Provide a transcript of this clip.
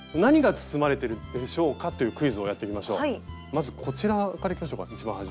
まずこちらからいきましょうか一番端。